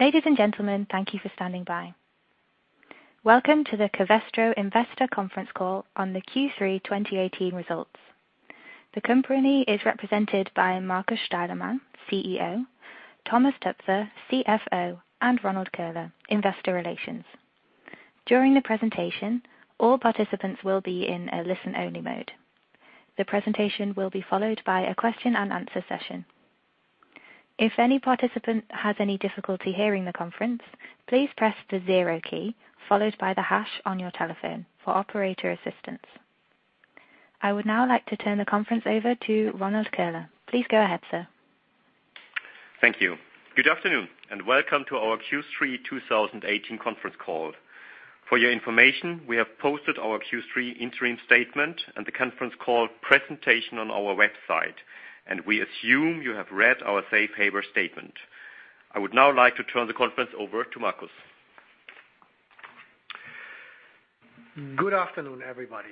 Ladies and gentlemen, thank you for standing by. Welcome to the Covestro Investor Conference Call on the Q3 2018 results. The company is represented by Markus Steilemann, CEO, Thomas Toepfer, CFO, and Ronald Köhler, Investor Relations. During the presentation, all participants will be in a listen-only mode. The presentation will be followed by a question and answer session. If any participant has any difficulty hearing the conference, please press the zero key, followed by the hash on your telephone for operator assistance. I would now like to turn the conference over to Ronald Köhler. Please go ahead, sir. Thank you. Good afternoon. Welcome to our Q3 2018 conference call. For your information, we have posted our Q3 interim statement and the conference call presentation on our website. We assume you have read our safe harbor statement. I would now like to turn the conference over to Markus. Good afternoon, everybody.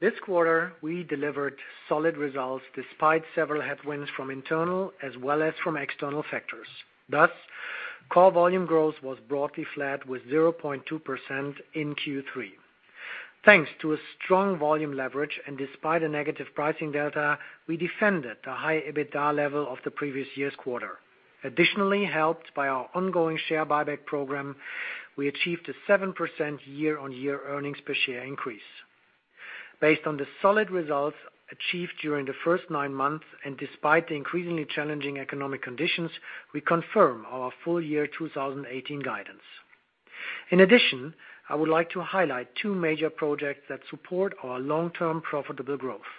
This quarter, we delivered solid results despite several headwinds from internal as well as from external factors. Thus, core volume growth was broadly flat with 0.2% in Q3. Thanks to a strong volume leverage and despite a negative pricing delta, we defended the high EBITDA level of the previous year-on-year quarter. Additionally, helped by our ongoing share buyback program, we achieved a 7% year-on-year earnings per share increase. Based on the solid results achieved during the first nine months and despite the increasingly challenging economic conditions, we confirm our full year 2018 guidance. In addition, I would like to highlight two major projects that support our long-term profitable growth.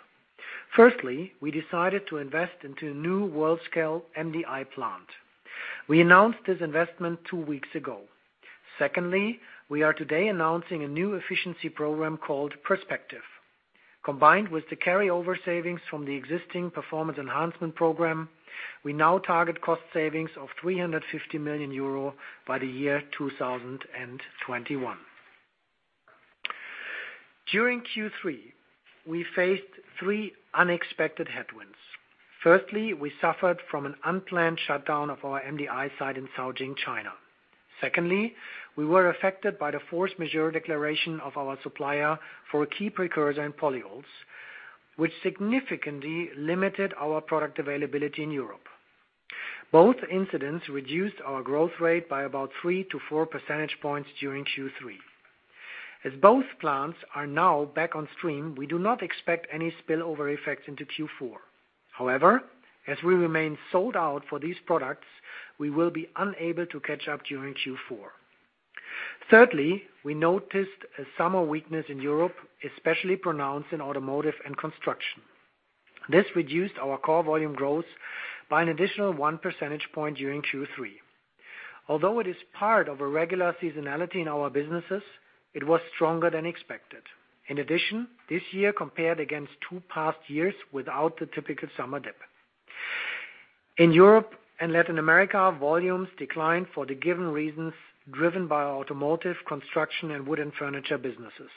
Firstly, we decided to invest into a new world-scale MDI plant. We announced this investment two weeks ago. Secondly, we are today announcing a new efficiency program called Perspective. Combined with the carryover savings from the existing Performance Enhancement Program, we now target cost savings of 350 million euro by the year 2021. During Q3, we faced three unexpected headwinds. Firstly, we suffered from an unplanned shutdown of our MDI site in Caojing, China. Secondly, we were affected by the force majeure declaration of our supplier for a key precursor in polyols, which significantly limited our product availability in Europe. Both incidents reduced our growth rate by about three to four percentage points during Q3. As both plants are now back on stream, we do not expect any spillover effects into Q4. However, as we remain sold out for these products, we will be unable to catch up during Q4. Thirdly, we noticed a summer weakness in Europe, especially pronounced in automotive and construction. This reduced our core volume growth by an additional one percentage point during Q3. Although it is part of a regular seasonality in our businesses, it was stronger than expected. In addition, this year compared against two past years without the typical summer dip. In Europe and Latin America, volumes declined for the given reasons, driven by automotive, construction, and wooden furniture businesses.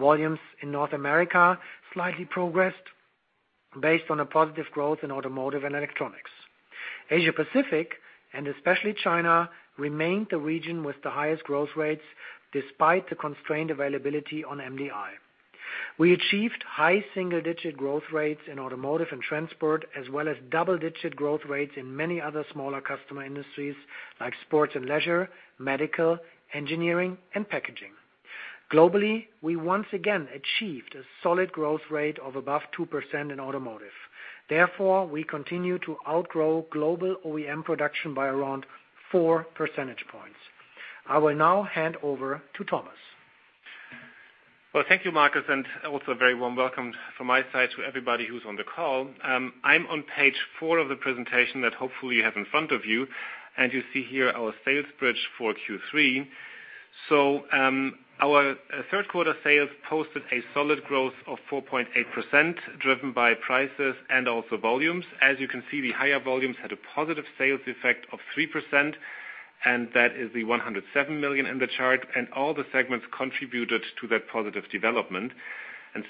Volumes in North America slightly progressed based on a positive growth in automotive and electronics. Asia Pacific, and especially China, remained the region with the highest growth rates despite the constrained availability on MDI. We achieved high single-digit growth rates in automotive and transport, as well as double-digit growth rates in many other smaller customer industries, like sports and leisure, medical, engineering, and packaging. Globally, we once again achieved a solid growth rate of above 2% in automotive. We continue to outgrow global OEM production by around four percentage points. I will now hand over to Thomas. Well, thank you, Markus, and also a very warm welcome from my side to everybody who's on the call. I'm on page four of the presentation that hopefully you have in front of you, and you see here our sales bridge for Q3. Our third quarter sales posted a solid growth of 4.8%, driven by prices and also volumes. As you can see, the higher volumes had a positive sales effect of 3%, and that is the 107 million in the chart, and all the segments contributed to that positive development.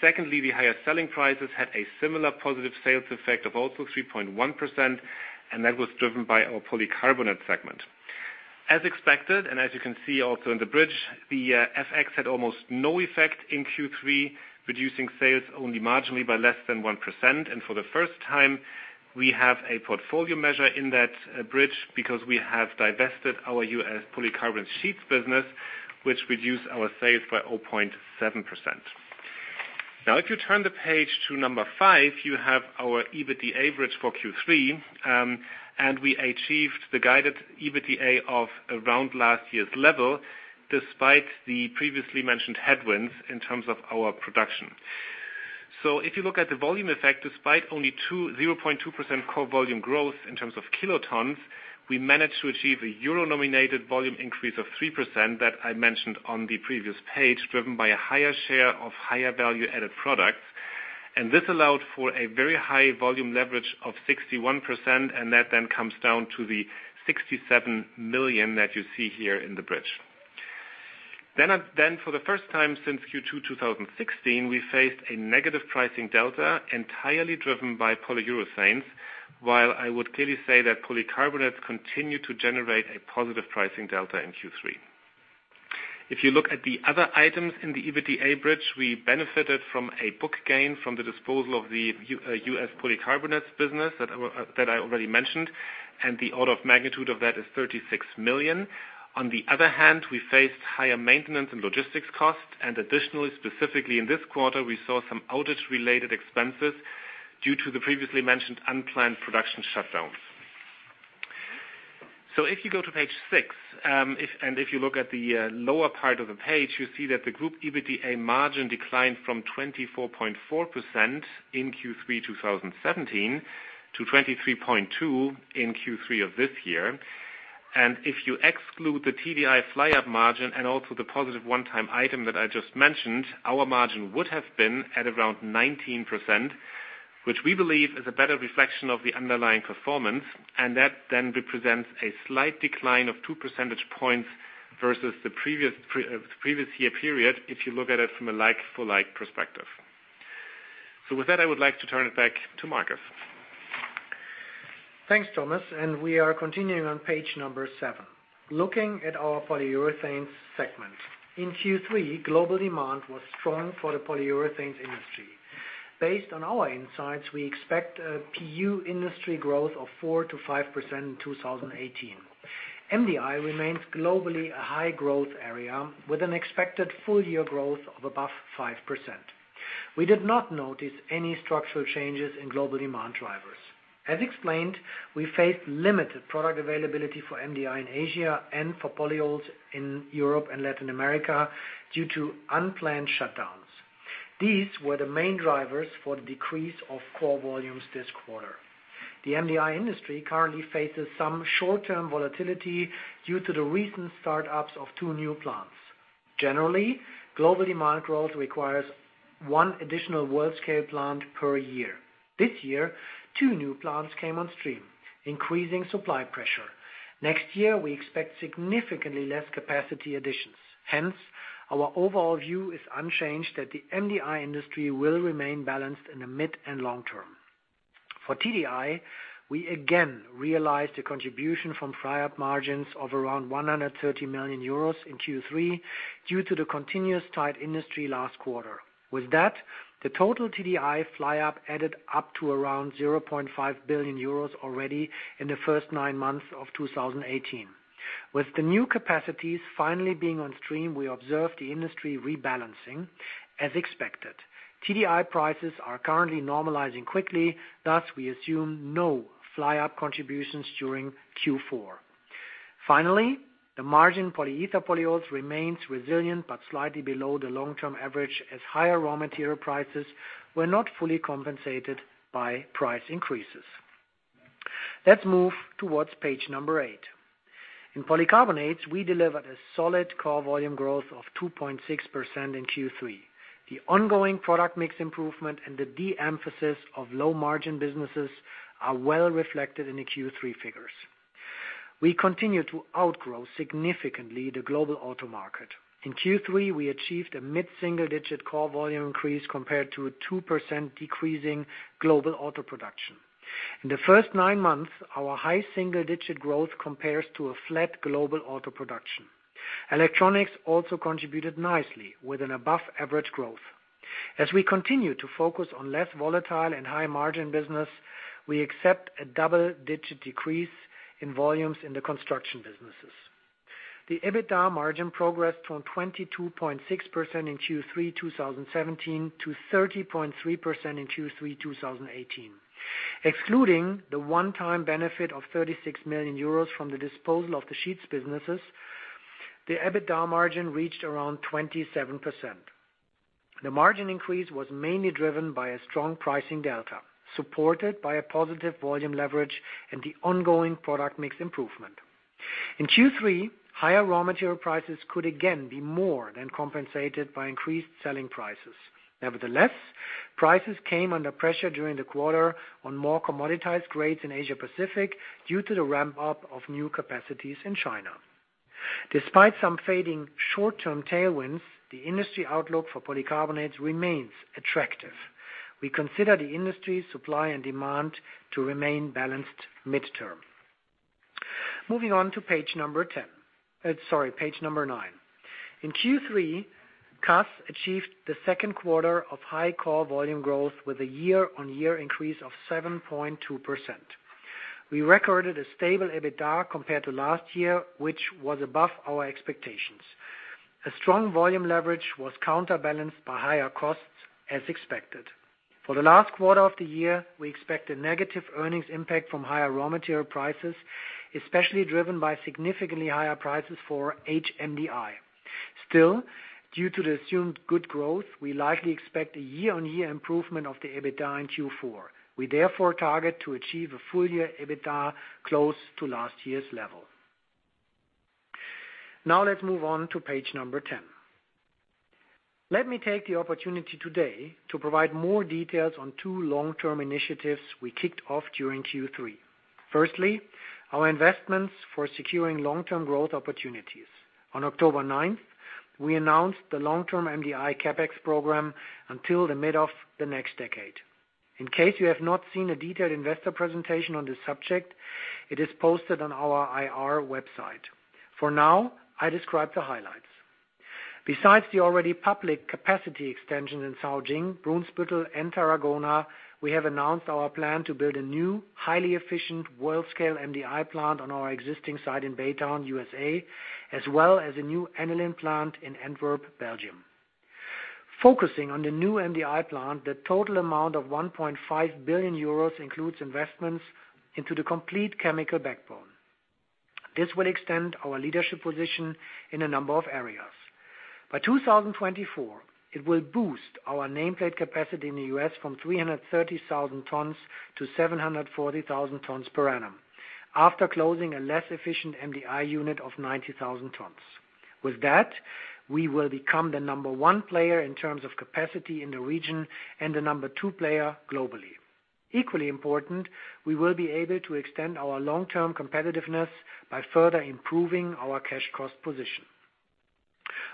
Secondly, the higher selling prices had a similar positive sales effect of also 3.1%, and that was driven by our Polycarbonate segment. As expected, as you can see also in the bridge, the FX had almost no effect in Q3, reducing sales only marginally by less than 1%. For the first time, we have a portfolio measure in that bridge because we have divested our U.S. Polycarbonate sheets business, which reduced our sales by 0.7%. If you turn the page to number five, you have our EBITDA bridge for Q3. We achieved the guided EBITDA of around last year's level, despite the previously mentioned headwinds in terms of our production. If you look at the volume effect, despite only 0.2% core volume growth in terms of kilotons, we managed to achieve a EUR-nominated volume increase of 3% that I mentioned on the previous page, driven by a higher share of higher value-added products. This allowed for a very high volume leverage of 61%. That then comes down to the 67 million that you see here in the bridge. For the first time since Q2 2016, we faced a negative pricing delta entirely driven by Polyurethanes, while I would clearly say that Polycarbonates continue to generate a positive pricing delta in Q3. If you look at the other items in the EBITDA bridge, we benefited from a book gain from the disposal of the U.S. Polycarbonates business that I already mentioned, and the order of magnitude of that is 36 million. On the other hand, we faced higher maintenance and logistics costs. Additionally, specifically in this quarter, we saw some outage-related expenses due to the previously mentioned unplanned production shutdowns. If you go to page six, if you look at the lower part of the page, you see that the group EBITDA margin declined from 24.4% in Q3 2017 to 23.2% in Q3 of this year. If you exclude the TDI fly-up margin and also the positive one-time item that I just mentioned, our margin would have been at around 19%, which we believe is a better reflection of the underlying performance, that represents a slight decline of two percentage points versus the previous year period, if you look at it from a like for like perspective. With that, I would like to turn it back to Markus. Thanks, Thomas, we are continuing on page seven. Looking at our Polyurethanes segment. In Q3, global demand was strong for the polyurethanes industry. Based on our insights, we expect a PU industry growth of 4%-5% in 2018. MDI remains globally a high growth area with an expected full year growth of above 5%. We did not notice any structural changes in global demand drivers. As explained, we faced limited product availability for MDI in Asia and for polyols in Europe and Latin America due to unplanned shutdowns. These were the main drivers for the decrease of core volumes this quarter. The MDI industry currently faces some short-term volatility due to the recent start-ups of two new plants. Generally, global demand growth requires one additional world scale plant per year. This year, two new plants came on stream, increasing supply pressure. Next year, we expect significantly less capacity additions. Hence, our overall view is unchanged that the MDI industry will remain balanced in the mid and long term. For TDI, we again realized a contribution from fly-up margins of around 130 million euros in Q3 due to the continuous tight industry last quarter. With that, the total TDI fly-up added up to around 0.5 billion euros already in the first nine months of 2018. With the new capacities finally being on stream, we observed the industry rebalancing as expected. TDI prices are currently normalizing quickly, thus we assume no fly-up contributions during Q4. Finally, the margin polyether polyols remains resilient but slightly below the long-term average as higher raw material prices were not fully compensated by price increases. Let's move towards page eight. In polycarbonates, we delivered a solid core volume growth of 2.6% in Q3. The ongoing product mix improvement and the de-emphasis of low margin businesses are well reflected in the Q3 figures. We continue to outgrow significantly the global auto market. In Q3, we achieved a mid-single-digit core volume increase compared to a 2% decreasing global auto production. In the first nine months, our high single-digit growth compares to a flat global auto production. Electronics also contributed nicely with an above-average growth. As we continue to focus on less volatile and high margin business, we accept a double-digit decrease in volumes in the construction businesses. The EBITDA margin progressed from 22.6% in Q3 2017 to 30.3% in Q3 2018. Excluding the one-time benefit of 36 million euros from the disposal of the sheets businesses, the EBITDA margin reached around 27%. The margin increase was mainly driven by a strong pricing delta, supported by a positive volume leverage and the ongoing product mix improvement. In Q3, higher raw material prices could again be more than compensated by increased selling prices. Nevertheless, prices came under pressure during the quarter on more commoditized grades in Asia-Pacific due to the ramp-up of new capacities in China. Despite some fading short-term tailwinds, the industry outlook for polycarbonates remains attractive. We consider the industry supply and demand to remain balanced midterm. Moving on to page number 10. Sorry, page number 9. In Q3, CAS achieved the second quarter of high core volume growth with a year-over-year increase of 7.2%. We recorded a stable EBITDA compared to last year, which was above our expectations. A strong volume leverage was counterbalanced by higher costs as expected. For the last quarter of the year, we expect a negative earnings impact from higher raw material prices, especially driven by significantly higher prices for HMDI. Due to the assumed good growth, we likely expect a year-over-year improvement of the EBITDA in Q4. We therefore target to achieve a full year EBITDA close to last year's level. Let me take the opportunity today to provide more details on two long-term initiatives we kicked off during Q3. Firstly, our investments for securing long-term growth opportunities. On October 9th, we announced the long-term MDI CapEx program until the mid of the next decade. In case you have not seen a detailed investor presentation on this subject, it is posted on our IR website. For now, I describe the highlights. Besides the already public capacity extension in Caojing, Brunsbüttel, and Tarragona, we have announced our plan to build a new, highly efficient world-scale MDI plant on our existing site in Baytown, U.S., as well as a new aniline plant in Antwerp, Belgium. Focusing on the new MDI plant, the total amount of 1.5 billion euros includes investments into the complete chemical backbone. This will extend our leadership position in a number of areas. By 2024, it will boost our nameplate capacity in the U.S. from 330,000 tons to 740,000 tons per annum, after closing a less efficient MDI unit of 90,000 tons. With that, we will become the number 1 player in terms of capacity in the region and the number 2 player globally. Equally important, we will be able to extend our long-term competitiveness by further improving our cash cost position.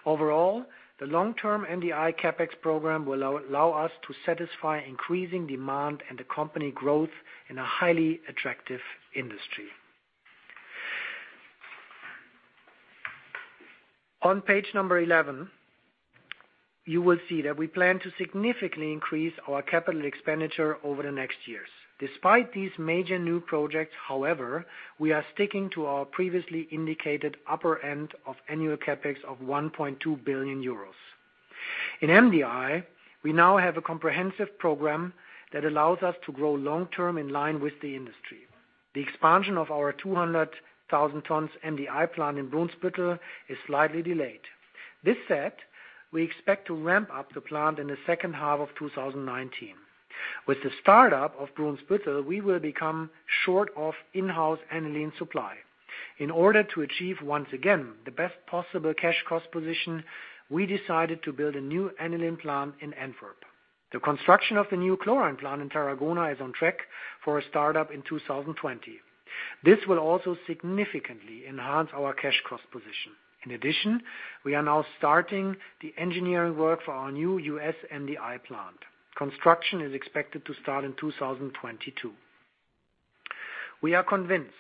The long-term MDI CapEx program will allow us to satisfy increasing demand and the company growth in a highly attractive industry. On page number 11, you will see that we plan to significantly increase our capital expenditure over the next years. Despite these major new projects, however, we are sticking to our previously indicated upper end of annual CapEx of 1.2 billion euros. In MDI, we now have a comprehensive program that allows us to grow long-term in line with the industry. The expansion of our 200,000 tons MDI plant in Brunsbüttel is slightly delayed. This said, we expect to ramp up the plant in the second half of 2019. With the start-up of Brunsbüttel, we will become short of in-house aniline supply. In order to achieve, once again, the best possible cash cost position, we decided to build a new aniline plant in Antwerp. The construction of the new chlorine plant in Tarragona is on track for a start-up in 2020. This will also significantly enhance our cash cost position. In addition, we are now starting the engineering work for our new U.S. MDI plant. Construction is expected to start in 2022. We are convinced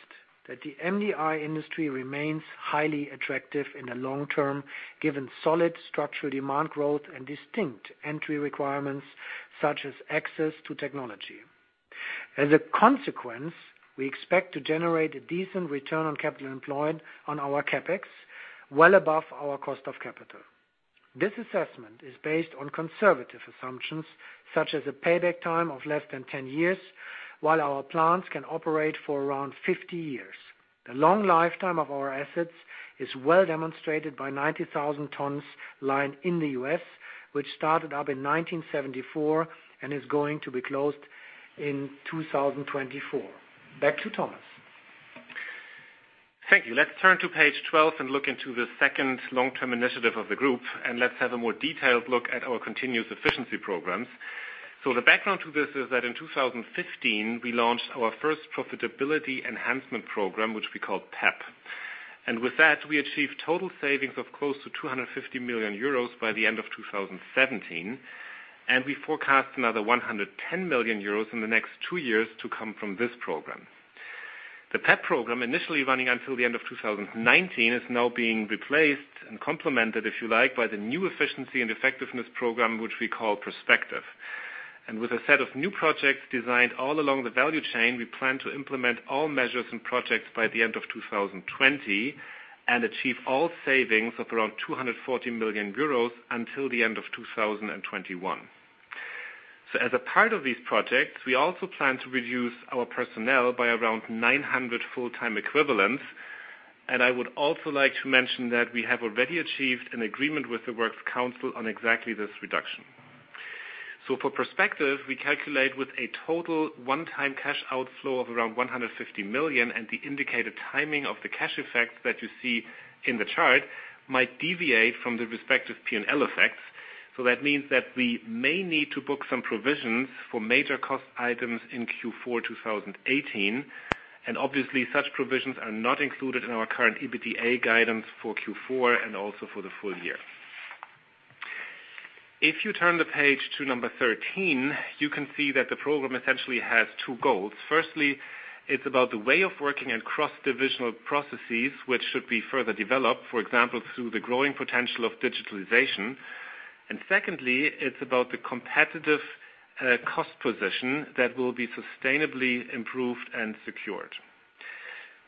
that the MDI industry remains highly attractive in the long term, given solid structural demand growth and distinct entry requirements such as access to technology. As a consequence, we expect to generate a decent return on capital employed on our CapEx well above our cost of capital. This assessment is based on conservative assumptions, such as a payback time of less than 10 years, while our plants can operate for around 50 years. The long lifetime of our assets is well demonstrated by 90,000 tons line in the U.S., which started up in 1974 and is going to be closed in 2024. Back to Thomas. Thank you. Let's turn to page 12 and look into the second long-term initiative of the group. Let's have a more detailed look at our continuous efficiency programs. The background to this is that in 2015, we launched our first Profitability Enhancement Program, which we called PEP. With that, we achieved total savings of close to 250 million euros by the end of 2017. We forecast another 110 million euros in the next two years to come from this program. The PEP program, initially running until the end of 2019, is now being replaced and complemented, if you like, by the new efficiency and effectiveness program, which we call Perspective. With a set of new projects designed all along the value chain, we plan to implement all measures and projects by the end of 2020 and achieve all savings of around 240 million euros until the end of 2021. As a part of these projects, we also plan to reduce our personnel by around 900 full-time equivalents. I would also like to mention that we have already achieved an agreement with the Works Council on exactly this reduction. For Perspective, we calculate with a total one-time cash outflow of around 150 million and the indicated timing of the cash effect that you see in the chart might deviate from the respective P&L effects. That means that we may need to book some provisions for major cost items in Q4 2018, and obviously, such provisions are not included in our current EBITDA guidance for Q4 and also for the full year. If you turn the page to page 13, you can see that the program essentially has two goals. Firstly, it's about the way of working and cross-divisional processes, which should be further developed, for example, through the growing potential of digitalization. Secondly, it's about the competitive cost position that will be sustainably improved and secured.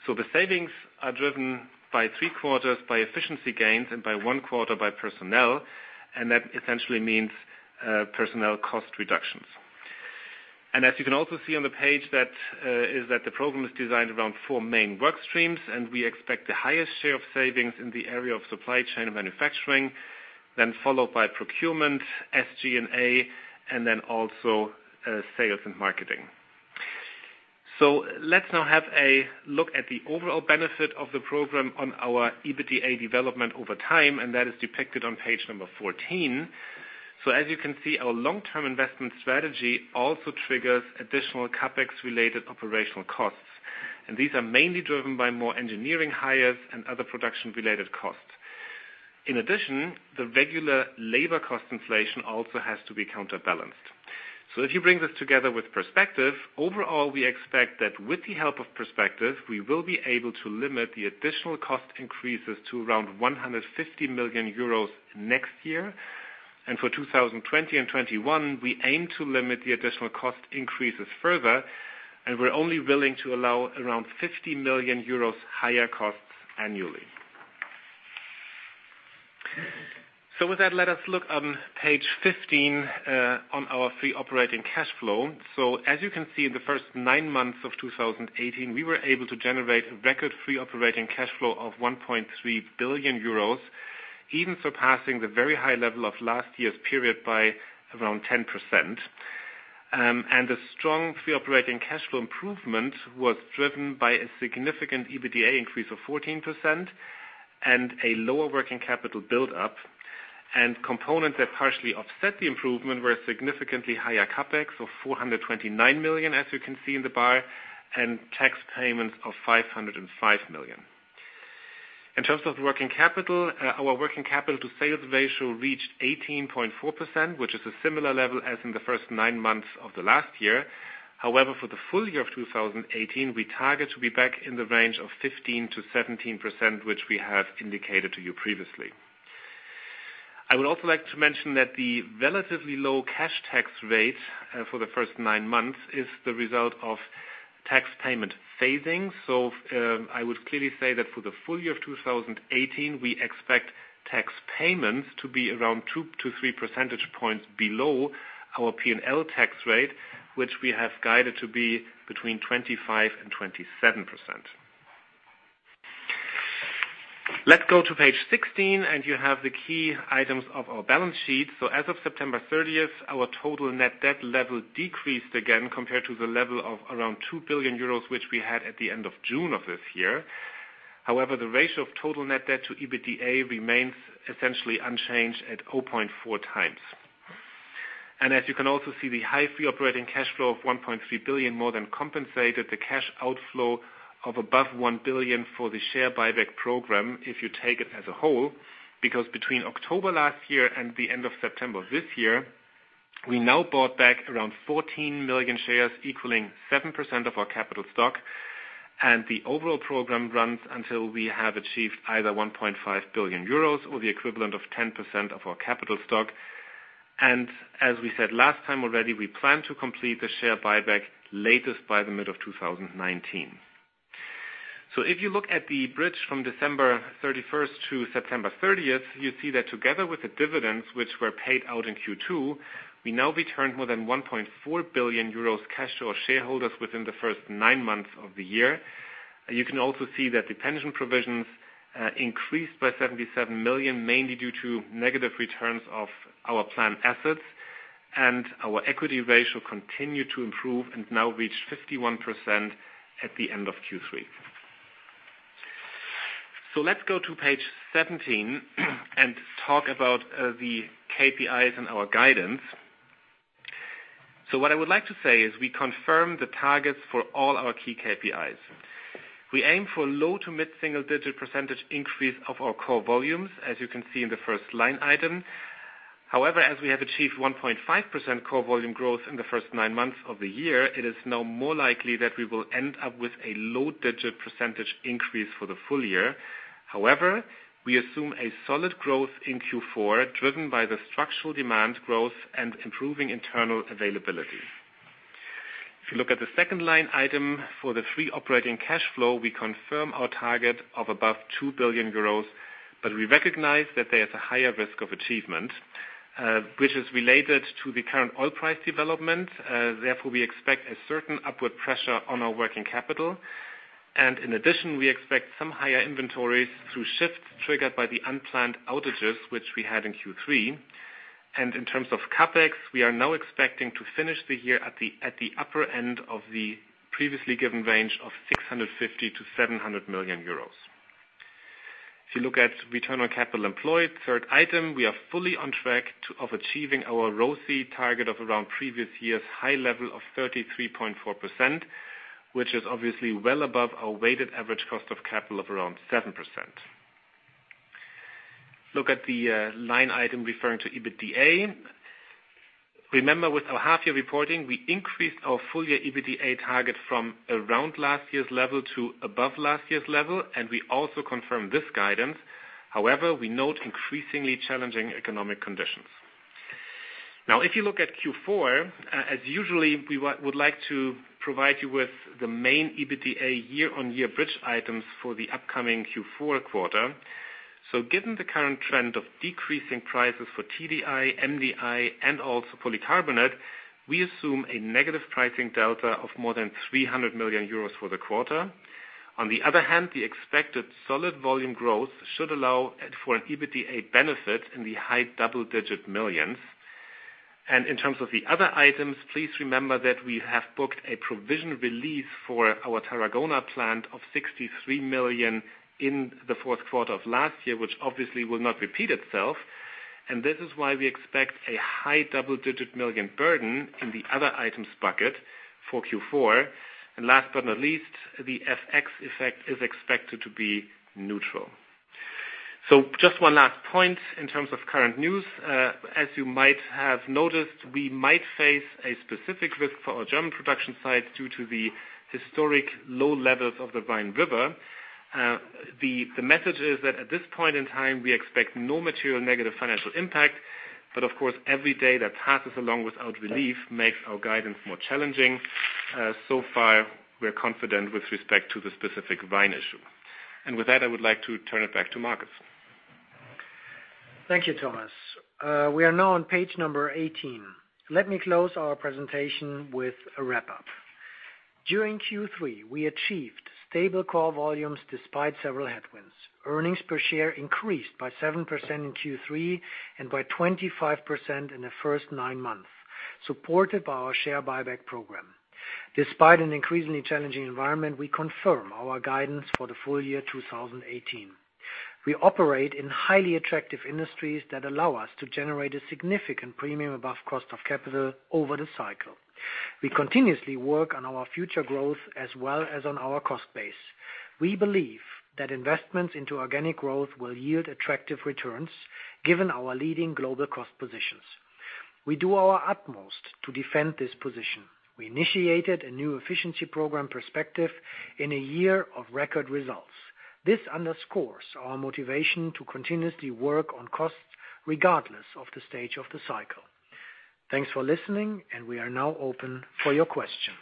The savings are driven by three-quarters by efficiency gains and by one-quarter by personnel, and that essentially means personnel cost reductions. As you can also see on the page, the program is designed around four main work streams, and we expect the highest share of savings in the area of supply chain manufacturing, then followed by procurement, SG&A, and then also sales and marketing. Let's now have a look at the overall benefit of the program on our EBITDA development over time, and that is depicted on page 14. As you can see, our long-term investment strategy also triggers additional CapEx-related operational costs. These are mainly driven by more engineering hires and other production-related costs. In addition, the regular labor cost inflation also has to be counterbalanced. If you bring this together with Perspective, overall, we expect that with the help of Perspective, we will be able to limit the additional cost increases to around 150 million euros next year. For 2020 and 2021, we aim to limit the additional cost increases further, and we're only willing to allow around 50 million euros higher costs annually. With that, let us look on page 15, on our free operating cash flow. As you can see, in the first nine months of 2018, we were able to generate a record free operating cash flow of 1.3 billion euros, even surpassing the very high level of last year's period by around 10%. The strong free operating cash flow improvement was driven by a significant EBITDA increase of 14% and a lower working capital buildup. Components that partially offset the improvement were a significantly higher CapEx of 429 million, as you can see in the bar, and tax payments of 505 million. In terms of working capital, our working capital to sales ratio reached 18.4%, which is a similar level as in the first nine months of the last year. However, for the full year of 2018, we target to be back in the range of 15%-17%, which we have indicated to you previously. I would also like to mention that the relatively low cash tax rate for the first nine months is the result of tax payment phasing. I would clearly say that for the full year of 2018, we expect tax payments to be around two to three percentage points below our P&L tax rate, which we have guided to be between 25%-27%. Let's go to page 16, you have the key items of our balance sheet. As of September 30th, our total net debt level decreased again compared to the level of around 2 billion euros, which we had at the end of June of this year. However, the ratio of total net debt to EBITDA remains essentially unchanged at 0.4 times. As you can also see, the high free operating cash flow of 1.3 billion more than compensated the cash outflow of above 1 billion for the share buyback program, if you take it as a whole. Because between October last year and the end of September this year, we now bought back around 14 million shares, equaling 7% of our capital stock. The overall program runs until we have achieved either 1.5 billion euros or the equivalent of 10% of our capital stock. As we said last time already, we plan to complete the share buyback latest by the mid of 2019. If you look at the bridge from December 31st to September 30th, you see that together with the dividends, which were paid out in Q2, we now returned more than 1.4 billion euros cash to our shareholders within the first nine months of the year. You can also see that the pension provisions increased by 77 million, mainly due to negative returns of our plan assets. Our equity ratio continued to improve and now reached 51% at the end of Q3. Let's go to page 17 and talk about the KPIs and our guidance. What I would like to say is we confirm the targets for all our key KPIs. We aim for low to mid-single digit percentage increase of our core volumes, as you can see in the first line item. However, as we have achieved 1.5% core volume growth in the first nine months of the year, it is now more likely that we will end up with a low digit percentage increase for the full year. However, we assume a solid growth in Q4, driven by the structural demand growth and improving internal availability. If you look at the second line item for the free operating cash flow, we confirm our target of above 2 billion euros, but we recognize that there is a higher risk of achievement, which is related to the current oil price development. Therefore, we expect a certain upward pressure on our working capital. In addition, we expect some higher inventories through shifts triggered by the unplanned outages which we had in Q3. In terms of CapEx, we are now expecting to finish the year at the upper end of the previously given range of 650 million-700 million euros. If you look at return on capital employed, third item, we are fully on track of achieving our ROACE target of around previous year's high level of 33.4%, which is obviously well above our weighted average cost of capital of around 7%. Look at the line item referring to EBITDA. Remember with our half-year reporting, we increased our full-year EBITDA target from around last year's level to above last year's level, and we also confirm this guidance. However, we note increasingly challenging economic conditions. If you look at Q4, as usually, we would like to provide you with the main EBITDA year-on-year bridge items for the upcoming Q4 quarter. Given the current trend of decreasing prices for TDI, MDI, and also polycarbonate, we assume a negative pricing delta of more than €300 million for the quarter. On the other hand, the expected solid volume growth should allow for an EBITDA benefit in the high double-digit millions. In terms of the other items, please remember that we have booked a provision release for our Tarragona plant of 63 million in the fourth quarter of last year, which obviously will not repeat itself. This is why we expect a high double-digit million burden in the other items bucket for Q4. Last but not least, the FX effect is expected to be neutral. Just one last point in terms of current news. As you might have noticed, we might face a specific risk for our German production sites due to the historic low levels of the Rhine River. The message is that at this point in time, we expect no material negative financial impact. Of course, every day that passes along without relief makes our guidance more challenging. So far, we are confident with respect to the specific Rhine issue. With that, I would like to turn it back to Markus. Thank you, Thomas. We are now on page number 18. Let me close our presentation with a wrap-up. During Q3, we achieved stable core volumes despite several headwinds. Earnings per share increased by 7% in Q3 and by 25% in the first nine months, supported by our share buyback program. Despite an increasingly challenging environment, we confirm our guidance for the full year 2018. We operate in highly attractive industries that allow us to generate a significant premium above cost of capital over the cycle. We continuously work on our future growth as well as on our cost base. We believe that investments into organic growth will yield attractive returns, given our leading global cost positions. We do our utmost to defend this position. We initiated a new efficiency program Perspective in a year of record results. This underscores our motivation to continuously work on costs regardless of the stage of the cycle. Thanks for listening. We are now open for your questions.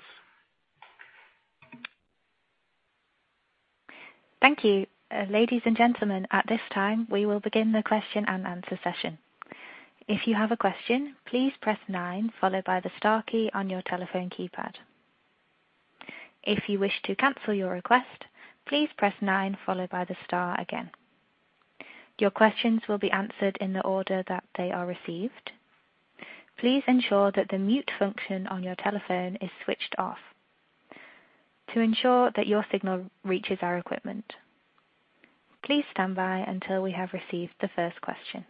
Thank you. Ladies and gentlemen, at this time, we will begin the question and answer session. If you have a question, please press nine followed by the star key on your telephone keypad. If you wish to cancel your request, please press nine followed by the star again. Your questions will be answered in the order that they are received. Please ensure that the mute function on your telephone is switched off to ensure that your signal reaches our equipment. Please stand by until we have received the first question.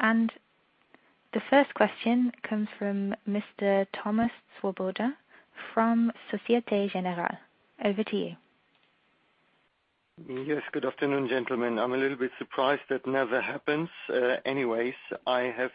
The first question comes from Mr. Thomas Swoboda from Société Générale. Over to you. Yes. Good afternoon, gentlemen. I'm a little bit surprised. That never happens. Anyways, I have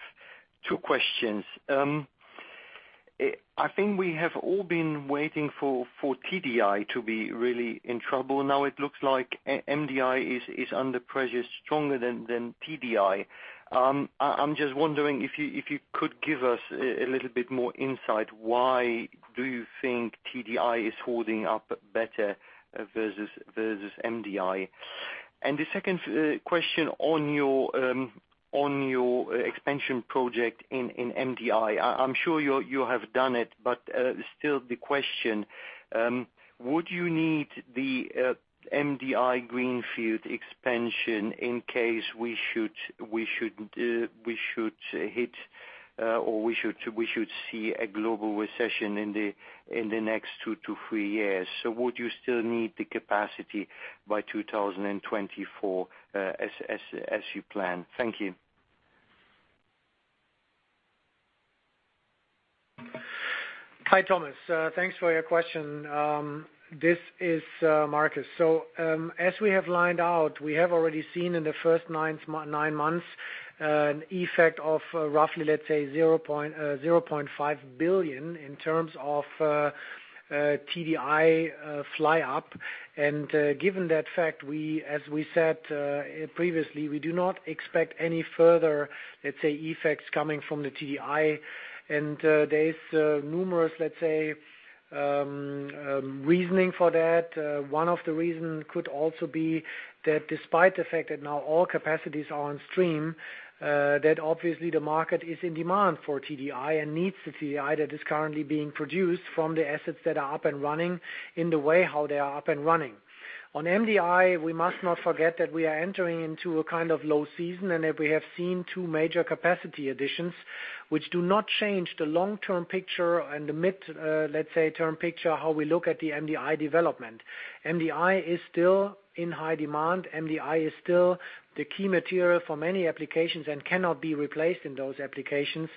two questions. I think we have all been waiting for TDI to be really in trouble. Now it looks like MDI is under pressure stronger than TDI. I'm just wondering if you could give us a little bit more insight, why do you think TDI is holding up better versus MDI? The second question on your expansion project in MDI. I'm sure you have done it, but still the question. Would you need the MDI greenfield expansion in case we should hit or we should see a global recession in the next two to three years? Would you still need the capacity by 2024 as you plan? Thank you. Hi, Thomas. Thanks for your question. This is Markus. As we have lined out, we have already seen in the first nine months an effect of roughly, let's say, 0.5 billion in terms of TDI fly-up. Given that fact, as we said previously, we do not expect any further, let's say, effects coming from the TDI. There is numerous, let's say, reasoning for that. One of the reasons could also be that despite the fact that now all capacities are on stream, that obviously the market is in demand for TDI and needs the TDI that is currently being produced from the assets that are up and running in the way how they are up and running. On MDI, we must not forget that we are entering into a kind of low season, and that we have seen two major capacity additions, which do not change the long-term picture and the mid, let's say, term picture, how we look at the MDI development. MDI is still in high demand. MDI is still the key material for many applications and cannot be replaced in those applications.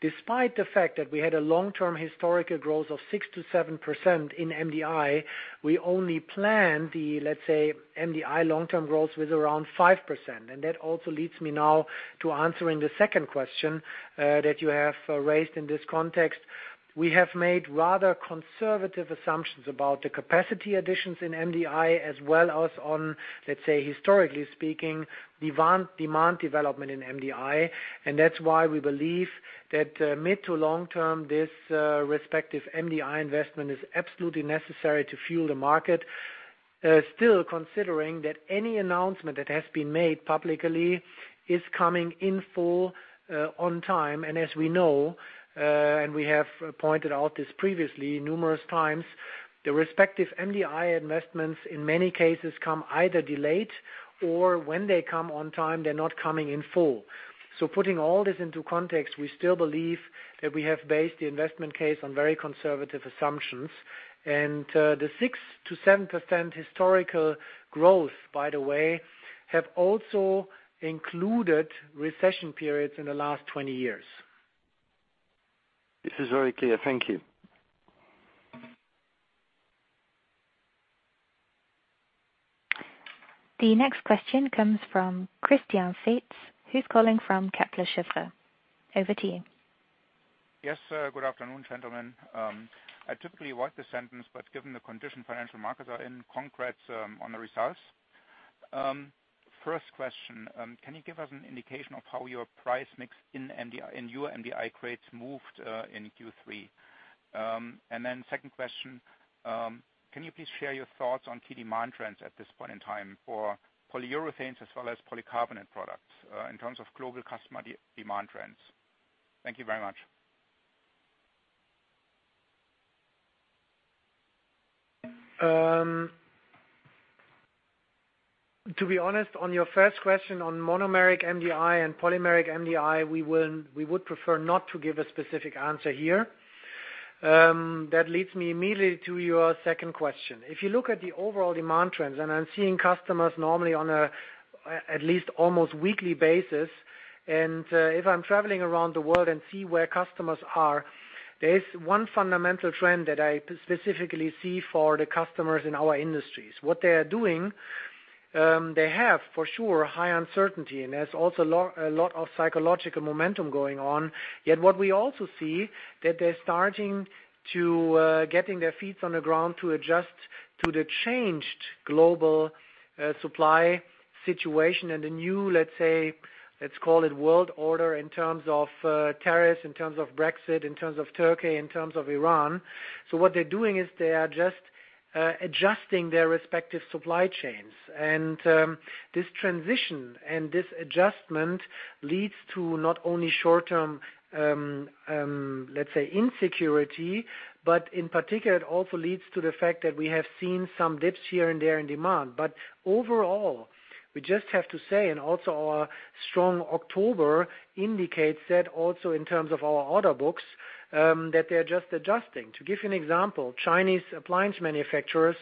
Despite the fact that we had a long-term historical growth of 6%-7% in MDI, we only plan the, let's say, MDI long-term growth with around 5%. That also leads me now to answering the second question that you have raised in this context. We have made rather conservative assumptions about the capacity additions in MDI as well as on, let's say, historically speaking, demand development in MDI. That's why we believe that mid- to long-term, this respective MDI investment is absolutely necessary to fuel the market. Still considering that any announcement that has been made publicly is coming in full on time. As we know, we have pointed out this previously numerous times, the respective MDI investments in many cases come either delayed or when they come on time, they are not coming in full. Putting all this into context, we still believe that we have based the investment case on very conservative assumptions. The 6%-7% historical growth, by the way, have also included recession periods in the last 20 years. This is very clear. Thank you. The next question comes from Christian Faitz, who is calling from Kepler Cheuvreux. Over to you. Yes. Good afternoon, gentlemen. I typically watch the sentence, but given the condition financial markets are in, congrats on the results. First question, can you give us an indication of how your price mix in your MDI grades moved in Q3? Second question, can you please share your thoughts on key demand trends at this point in time for polyurethanes as well as polycarbonate products in terms of global customer demand trends? Thank you very much. To be honest, on your first question on monomeric MDI and polymeric MDI, we would prefer not to give a specific answer here. That leads me immediately to your second question. If you look at the overall demand trends, and I'm seeing customers normally on a at least almost weekly basis, and if I'm traveling around the world and see where customers are, there's one fundamental trend that I specifically see for the customers in our industries. What they are doing, they have for sure high uncertainty, and there's also a lot of psychological momentum going on. Yet what we also see, that they're starting to getting their feet on the ground to adjust to the changed global supply situation and the new, let's say, let's call it world order in terms of tariffs, in terms of Brexit, in terms of Turkey, in terms of Iran. What they're doing is they are just adjusting their respective supply chains. This transition and this adjustment leads to not only short-term, let's say, insecurity, but in particular, it also leads to the fact that we have seen some dips here and there in demand. Overall, we just have to say, and also our strong October indicates that also in terms of our order books, that they're just adjusting. To give you an example, Chinese appliance manufacturers,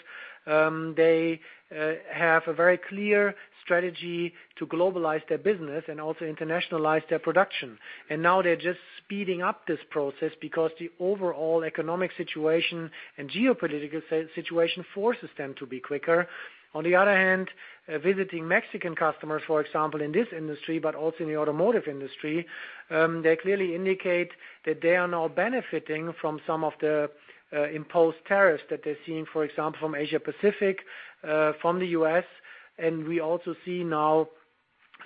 they have a very clear strategy to globalize their business and also internationalize their production. Now they're just speeding up this process because the overall economic situation and geopolitical situation forces them to be quicker. On the other hand, visiting Mexican customers, for example, in this industry, but also in the automotive industry, they clearly indicate that they are now benefiting from some of the imposed tariffs that they're seeing, for example, from Asia-Pacific, from the U.S. We also see now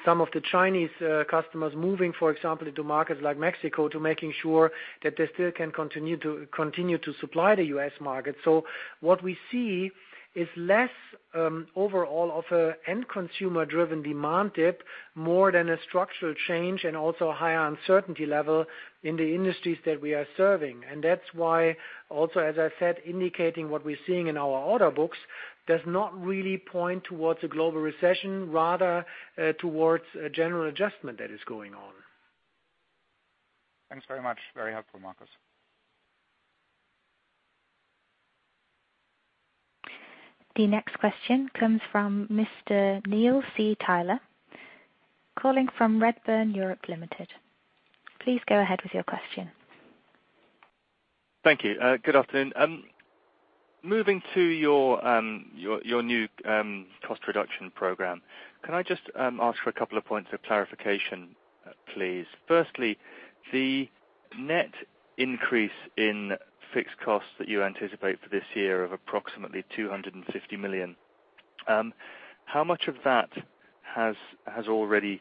some of the Chinese customers moving, for example, into markets like Mexico to making sure that they still can continue to supply the U.S. market. What we see is less overall of a end consumer-driven demand dip, more than a structural change and also a higher uncertainty level in the industries that we are serving. That's why also, as I said, indicating what we're seeing in our order books does not really point towards a global recession, rather towards a general adjustment that is going on. Thanks very much. Very helpful, Markus. The next question comes from Mr. Neil C. Tyler calling from Redburn Europe Limited. Please go ahead with your question. Thank you. Good afternoon. Moving to your new cost reduction program, can I just ask for a couple of points of clarification, please? Firstly, the net increase in fixed costs that you anticipate for this year of approximately 250 million. How much of that has already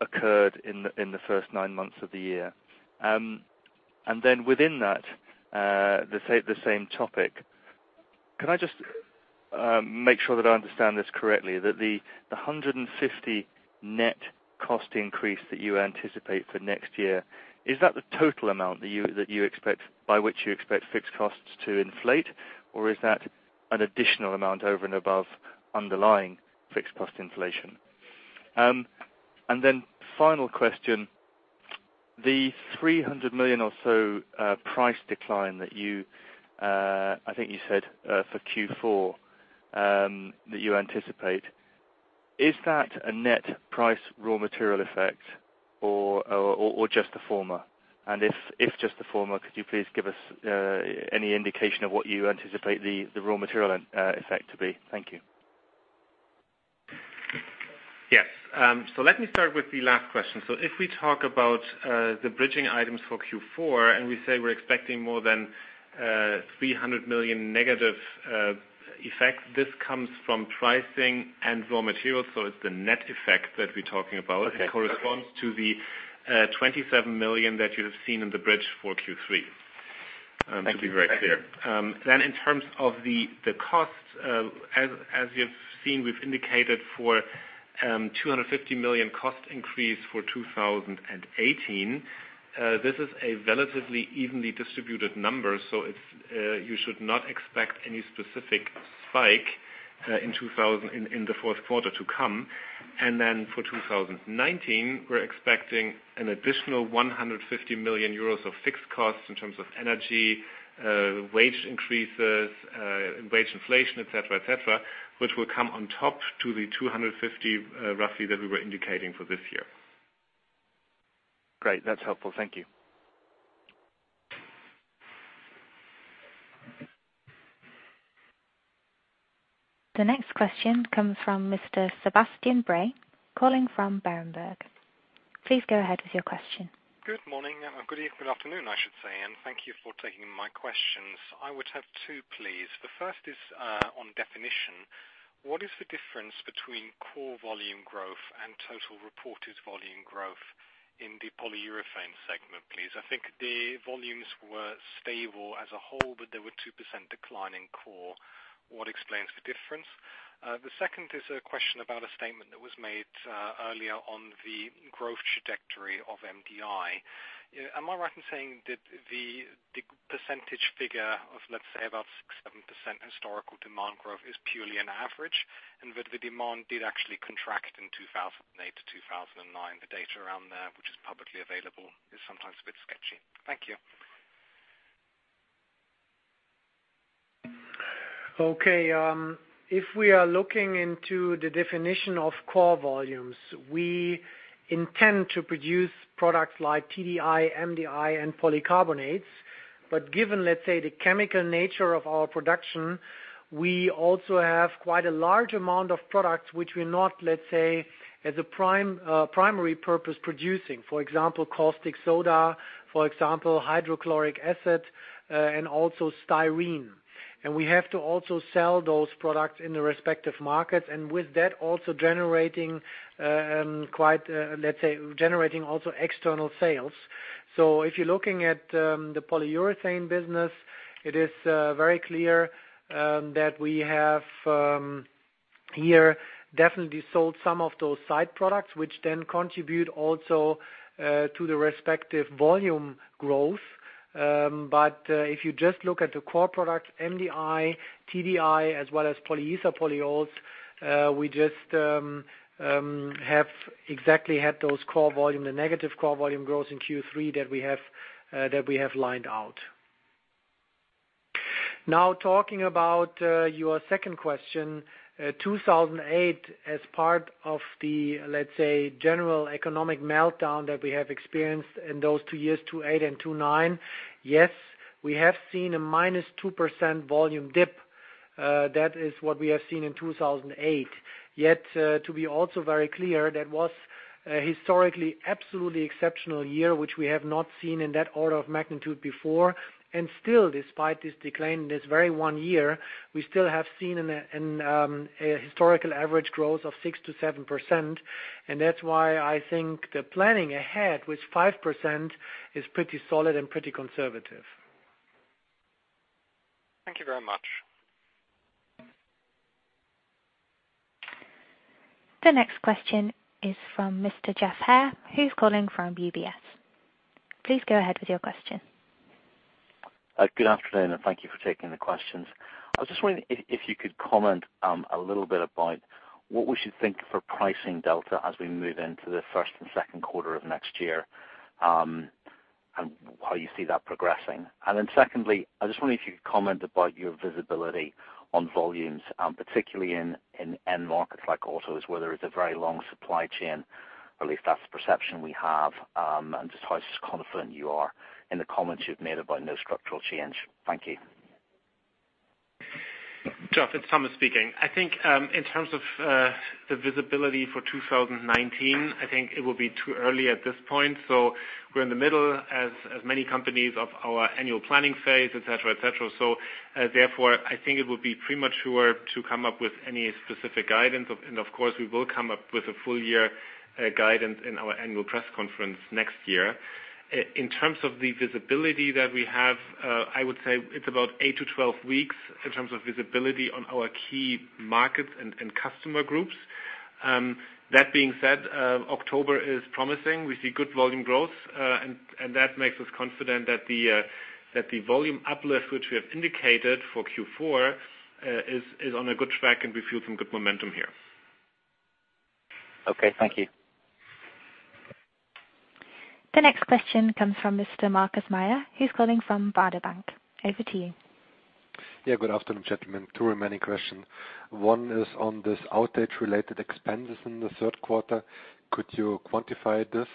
occurred in the first nine months of the year? Within that, the same topic, can I just make sure that I understand this correctly, that the 150 net cost increase that you anticipate for next year, is that the total amount that you expect by which you expect fixed costs to inflate, or is that an additional amount over and above underlying fixed cost inflation? Final question, the 300 million or so price decline that I think you said, for Q4, that you anticipate, is that a net price raw material effect or just the former? If just the former, could you please give us any indication of what you anticipate the raw material effect to be? Thank you. Yes. Let me start with the last question. If we talk about the bridging items for Q4, and we say we're expecting more than 300 million negative effects, this comes from pricing and raw materials. It's the net effect that we're talking about. Okay. It corresponds to the 27 million that you have seen in the bridge for Q3. To be very clear. In terms of the cost, as you've seen, we've indicated for 250 million cost increase for 2018. This is a relatively evenly distributed number, so you should not expect any specific spike in the fourth quarter to come. For 2019, we're expecting an additional 150 million euros of fixed costs in terms of energy, wage increases, wage inflation, et cetera, which will come on top to the 250 million, roughly, that we were indicating for this year. Great. That's helpful. Thank you. The next question comes from Mr. Sebastian Bray, calling from Berenberg. Please go ahead with your question. Good morning. Good evening. Good afternoon, I should say, and thank you for taking my questions. I would have two, please. The first is on definition. What is the difference between core volume growth and total reported volume growth in the polyurethane segment, please? I think the volumes were stable as a whole, but there were 2% decline in core. What explains the difference? The second is a question about a statement that was made earlier on the growth trajectory of MDI. Am I right in saying that the percentage figure of, let's say, about 6%, 7% historical demand growth is purely an average, and that the demand did actually contract in 2008 to 2009? The data around there, which is publicly available, is sometimes a bit sketchy. Thank you. Okay. If we are looking into the definition of core volumes, we intend to produce products like TDI, MDI, and polycarbonates. Given, let's say, the chemical nature of our production, we also have quite a large amount of products which we're not, let's say, as a primary purpose producing, for example, caustic soda, for example, hydrochloric acid, and also styrene. We have to also sell those products in the respective markets, and with that also generating also external sales. If you're looking at the polyurethane business, it is very clear that we have here definitely sold some of those side products, which then contribute also to the respective volume growth. If you just look at the core products, MDI, TDI, as well as polyester polyols, we just have exactly had those core volume, the negative core volume growth in Q3 that we have lined out. Talking about your second question, 2008 as part of the, let's say, general economic meltdown that we have experienced in those two years, 2008 and 2009. Yes, we have seen a minus 2% volume dip. That is what we have seen in 2008. To be also very clear, that was historically absolutely exceptional year, which we have not seen in that order of magnitude before. Still, despite this decline in this very one year, we still have seen a historical average growth of 6% to 7%. That's why I think the planning ahead with 5% is pretty solid and pretty conservative. Thank you very much. The next question is from Mr. Geoff Haire, who's calling from UBS. Please go ahead with your question. Good afternoon. Thank you for taking the questions. I was just wondering if you could comment a little bit about what we should think for pricing delta as we move into the first and second quarter of next year, and how you see that progressing. Secondly, I just wonder if you could comment about your visibility on volumes, particularly in end markets like autos, where there is a very long supply chain, or at least that's the perception we have, and just how confident you are in the comments you've made about no structural change. Thank you. Geoff, it's Thomas speaking. In terms of the visibility for 2019, I think it will be too early at this point. We're in the middle, as many companies, of our annual planning phase, et cetera. Therefore, I think it would be premature to come up with any specific guidance. Of course, we will come up with a full-year guidance in our annual press conference next year. In terms of the visibility that we have, I would say it's about eight to 12 weeks in terms of visibility on our key markets and customer groups. That being said, October is promising. We see good volume growth, and that makes us confident that the volume uplift, which we have indicated for Q4, is on a good track, and we feel some good momentum here. Okay, thank you. The next question comes from Mr. Markus Meyer, who's calling from Baader Bank. Over to you. Good afternoon, gentlemen. Two remaining question. One is on this outage-related expenses in the third quarter. Could you quantify this?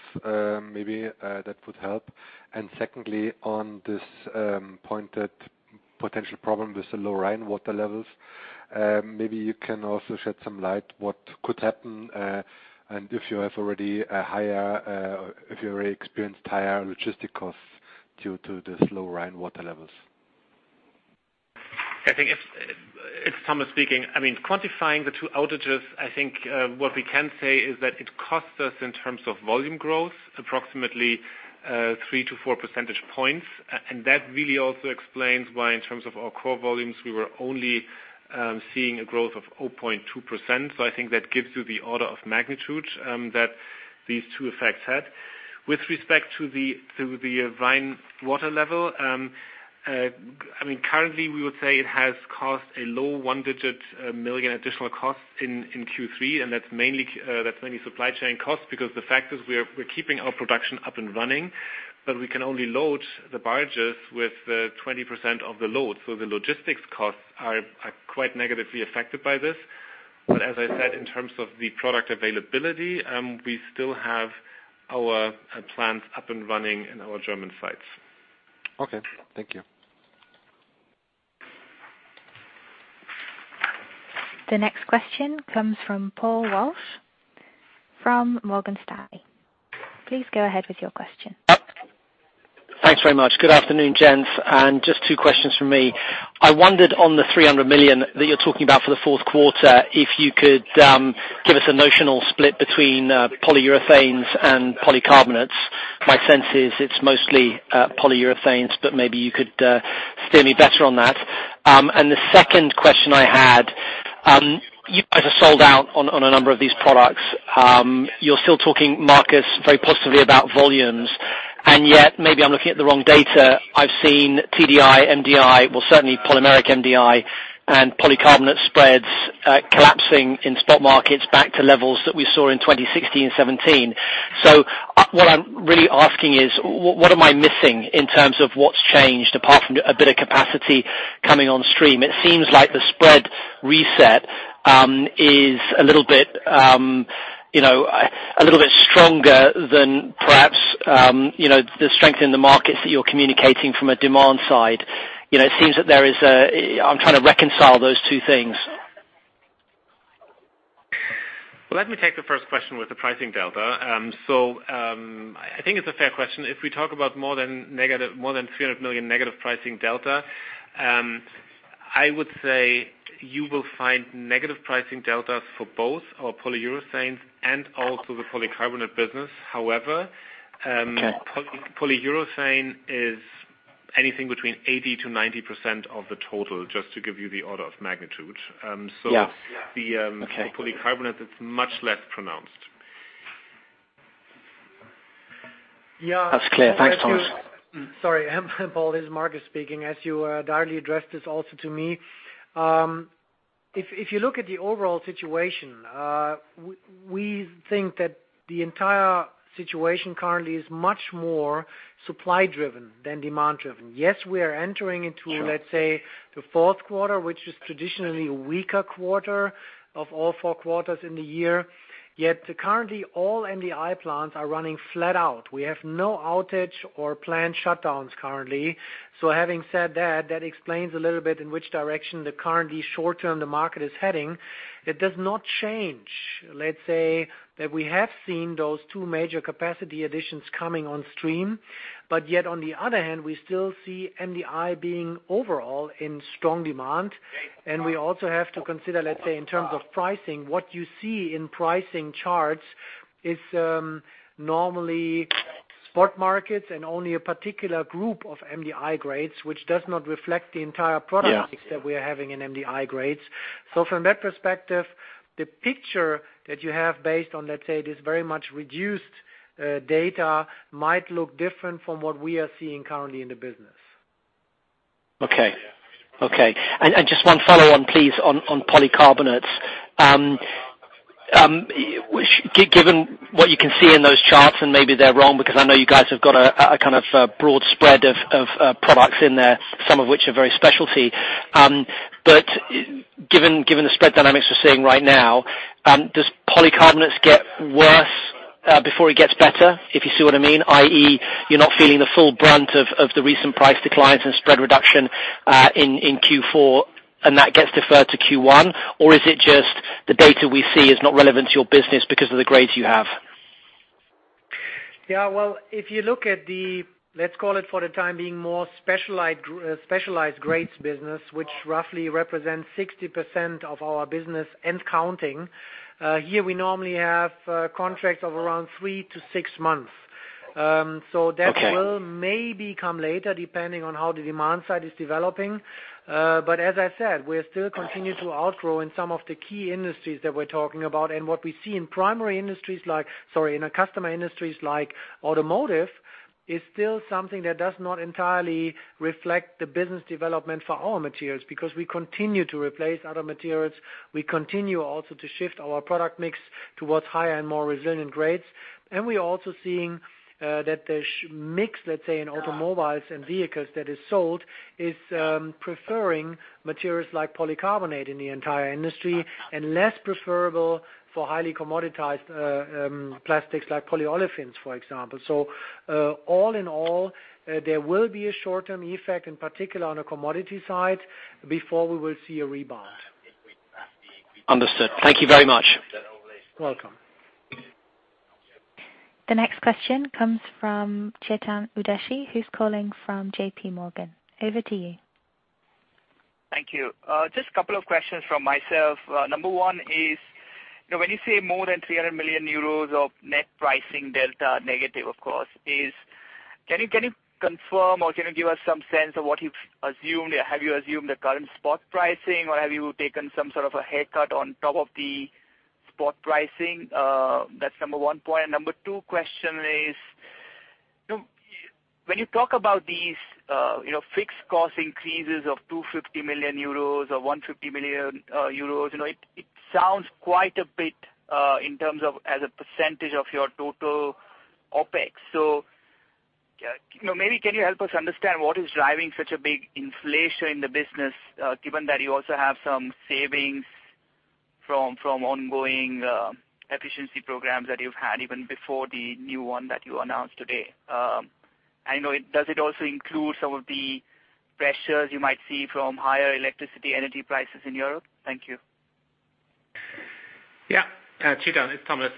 Maybe that would help. Secondly, on this point that potential problem with the low Rhine water levels. Maybe you can also shed some light what could happen, and if you have already experienced higher logistic costs due to this low Rhine water levels. I think it's Thomas speaking. Quantifying the two outages, I think what we can say is that it costs us in terms of volume growth, approximately three to four percentage points. That really also explains why, in terms of our core volumes, we were only seeing a growth of 0.2%. I think that gives you the order of magnitude that these two effects had. With respect to the Rhine water level, currently we would say it has cost a low one-digit million additional costs in Q3, and that's mainly supply chain costs because the fact is we're keeping our production up and running, but we can only load the barges with 20% of the load. The logistics costs are quite negatively affected by this. As I said, in terms of the product availability, we still have our plants up and running in our German sites. Okay. Thank you. The next question comes from Paul Walsh from Morgan Stanley. Please go ahead with your question. Thanks very much. Good afternoon, gents. Just two questions from me. I wondered on the 300 million that you're talking about for the fourth quarter, if you could give us a notional split between polyurethanes and polycarbonates. My sense is it's mostly polyurethanes, but maybe you could steer me better on that. The second question I had, you guys are sold out on a number of these products. You're still talking, Markus, very positively about volumes, yet, maybe I'm looking at the wrong data, I've seen TDI, MDI, well, certainly polymeric MDI and polycarbonate spreads collapsing in spot markets back to levels that we saw in 2016 and 2017. What I'm really asking is, what am I missing in terms of what's changed apart from a bit of capacity coming on stream? It seems like the spread reset is a little bit stronger than perhaps the strength in the markets that you're communicating from a demand side. I'm trying to reconcile those two things. Well, let me take the first question with the pricing delta. I think it's a fair question. If we talk about more than 300 million negative pricing delta, I would say you will find negative pricing deltas for both our polyurethanes and also the polycarbonate business. Okay Polyurethane is anything between 80%-90% of the total, just to give you the order of magnitude. Yeah. Okay. The Polycarbonate is much less pronounced. Yeah. That's clear. Thanks, Thomas. Sorry, Paul, this is Markus speaking. As you directly addressed this also to me. If you look at the overall situation, we think that the entire situation currently is much more supply-driven than demand-driven. Yes, we are entering into- Yeah let's say, the fourth quarter, which is traditionally a weaker quarter of all four quarters in the year. Yet, currently all MDI plants are running flat out. We have no outage or plant shutdowns currently. Having said that explains a little bit in which direction currently short-term, the market is heading. It does not change, let's say, that we have seen those two major capacity additions coming on stream. Yet, on the other hand, we still see MDI being overall in strong demand. We also have to consider, let's say, in terms of pricing, what you see in pricing charts is normally spot markets and only a particular group of MDI grades, which does not reflect the entire product- Yeah mix that we are having in MDI grades. From that perspective, the picture that you have based on, let's say, this very much reduced data might look different from what we are seeing currently in the business. Okay. Just one follow-on, please, on polycarbonates. Given what you can see in those charts, and maybe they're wrong, because I know you guys have got a kind of broad spread of products in there, some of which are very specialty. Given the spread dynamics we're seeing right now, does polycarbonates get worse before it gets better? If you see what I mean, i.e., you're not feeling the full brunt of the recent price declines and spread reduction in Q4, and that gets deferred to Q1? Or is it just the data we see is not relevant to your business because of the grades you have? Yeah. Well, if you look at the, let's call it for the time being, more specialized grades business, which roughly represents 60% of our business and counting. Here, we normally have contracts of around three to six months. Okay. That will maybe come later, depending on how the demand side is developing. As I said, we still continue to outgrow in some of the key industries that we're talking about. What we see in primary industries like-- sorry, in our customer industries like automotive, is still something that does not entirely reflect the business development for all materials, because we continue to replace other materials. We continue also to shift our product mix towards higher and more resilient grades. We are also seeing that the mix, let's say, in automobiles and vehicles that is sold is preferring materials like polycarbonate in the entire industry, and less preferable for highly commoditized plastics like polyolefins, for example. All in all, there will be a short-term effect, in particular on the commodity side, before we will see a rebound. Understood. Thank you very much. You're welcome. The next question comes from Chetan Udasi, who is calling from J.P. Morgan. Over to you. Thank you. Just a couple of questions from myself. Number 1 is, when you say more than €300 million of net pricing delta negative, of course, can you confirm or can you give us some sense of what you've assumed? Have you assumed the current spot pricing, or have you taken some sort of a haircut on top of the spot pricing? That's number 1 point. Number 2 question is, when you talk about these fixed cost increases of €250 million or €150 million, it sounds quite a bit in terms of as a percentage of your total OpEx. Maybe can you help us understand what is driving such a big inflation in the business, given that you also have some savings from ongoing efficiency programs that you've had even before the new one that you announced today? I know it. Does it also include some of the pressures you might see from higher electricity energy prices in Europe? Thank you. Yeah. Chetan, it's Thomas.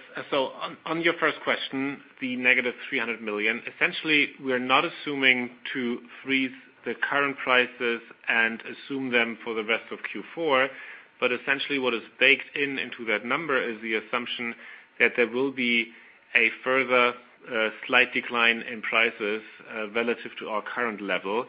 On your first question, the negative 300 million, essentially, we are not assuming to freeze the current prices and assume them for the rest of Q4. Essentially what is baked into that number is the assumption that there will be a further slight decline in prices relative to our current level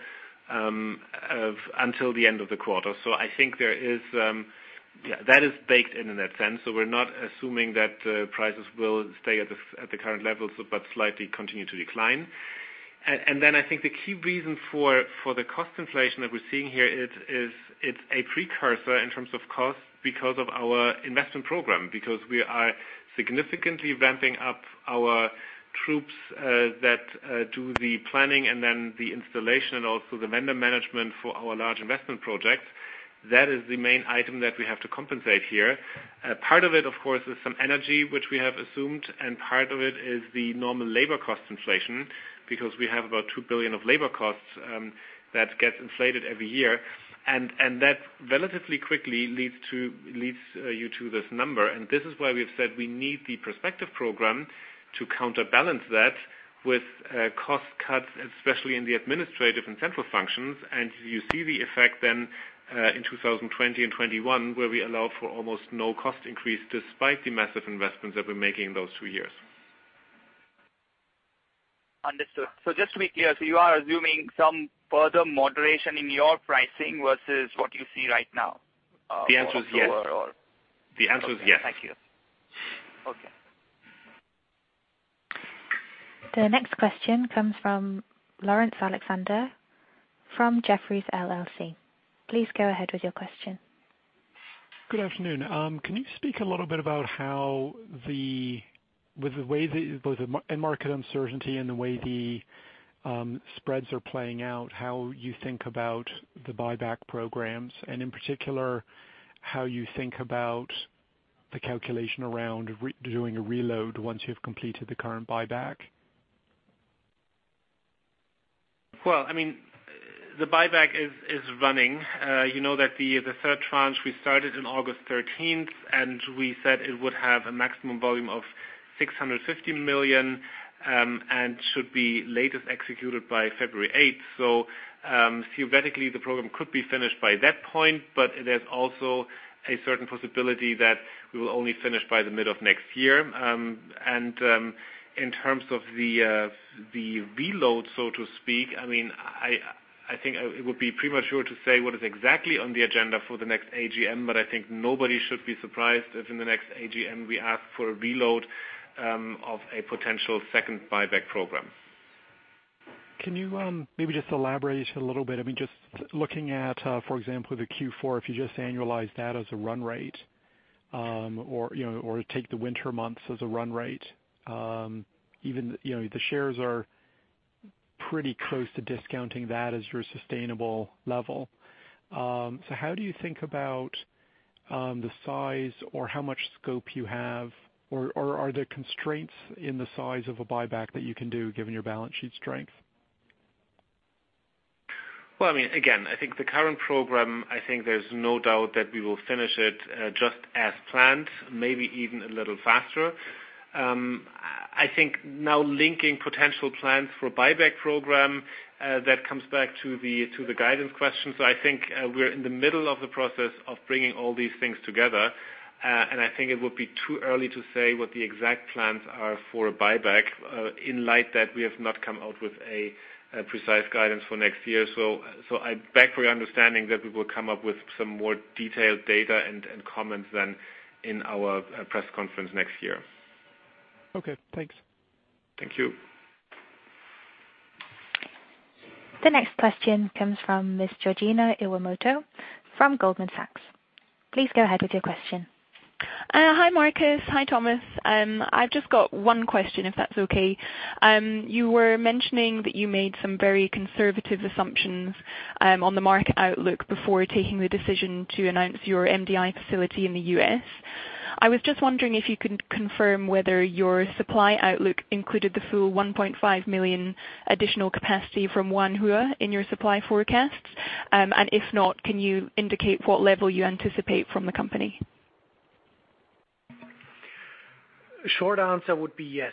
until the end of the quarter. I think that is baked in in that sense. We're not assuming that prices will stay at the current levels but slightly continue to decline. I think the key reason for the cost inflation that we're seeing here is it's a precursor in terms of cost because of our investment program. Because we are significantly ramping up our troops that do the planning and then the installation and also the vendor management for our large investment projects. That is the main item that we have to compensate here. Part of it, of course, is some energy, which we have assumed, and part of it is the normal labor cost inflation, because we have about €2 billion of labor costs that gets inflated every year. That relatively quickly leads you to this number. This is why we've said we need the Perspective program to counterbalance that with cost cuts, especially in the administrative and central functions. You see the effect then in 2020 and 2021, where we allow for almost no cost increase despite the massive investments that we're making those two years. Understood. Just to be clear, you are assuming some further moderation in your pricing versus what you see right now? The answer is yes. Thank you. Okay. The next question comes from Laurence Alexander from Jefferies LLC. Please go ahead with your question. Good afternoon. Can you speak a little bit about how the end market uncertainty and the way the spreads are playing out, how you think about the buyback programs, and in particular, how you think about the calculation around doing a reload once you've completed the current buyback? The buyback is running. You know that the third tranche we started on August 13th, and we said it would have a maximum volume of 650 million, and should be latest executed by February 8th. Theoretically, the program could be finished by that point, but there's also a certain possibility that we will only finish by the middle of next year. In terms of the reload, so to speak, I think it would be premature to say what is exactly on the agenda for the next AGM, but I think nobody should be surprised if in the next AGM, we ask for a reload of a potential second buyback program. Can you maybe just elaborate a little bit? Just looking at, for example, the Q4, if you just annualize that as a run rate, or take the winter months as a run rate. The shares are pretty close to discounting that as your sustainable level. How do you think about the size or how much scope you have, or are there constraints in the size of a buyback that you can do given your balance sheet strength? Well, again, I think the current program, I think there's no doubt that we will finish it just as planned, maybe even a little faster. I think now linking potential plans for a buyback program, that comes back to the guidance question. I think we're in the middle of the process of bringing all these things together, and I think it would be too early to say what the exact plans are for a buyback in light that we have not come out with a precise guidance for next year. I beg for your understanding that we will come up with some more detailed data and comments then in our press conference next year. Okay, thanks. Thank you. The next question comes from Miss Georgina Iwamoto from Goldman Sachs. Please go ahead with your question. Hi, Markus. Hi, Thomas. I've just got one question, if that's okay. You were mentioning that you made some very conservative assumptions on the market outlook before taking the decision to announce your MDI facility in the U.S. I was just wondering if you can confirm whether your supply outlook included the full 1.5 million additional capacity from Wanhua in your supply forecast. If not, can you indicate what level you anticipate from the company? Short answer would be yes.